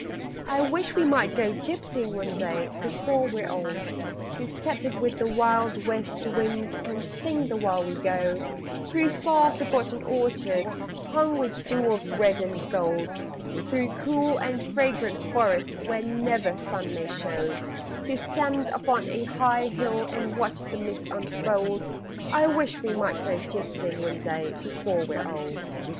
I wish we might go gypsying one day before we're old To step it with the wild west wind And sing the while we go, Through far forgotten orchards Hung with jewels red and gold; Through cool and fragrant forests where never sun may show, To stand upon a high hill and watch the mist unfold I wish we might go gypsying one day before we're old.